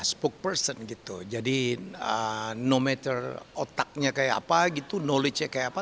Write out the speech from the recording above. spokesperson gitu jadi no matter otaknya kayak apa gitu knowledge nya kayak apa